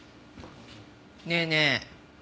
ねえねえ